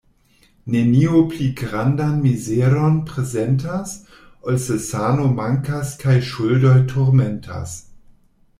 Nenio pli grandan mizeron prezentas, ol se sano mankas kaj ŝuldoj turmentas.